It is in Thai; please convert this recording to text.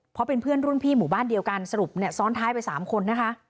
เพราะเป็นเพื่อนรุ่นพี่หมู่บ้านเดียวกันสรุปเนี่ยซ้อนท้ายไป๓คนนะคะ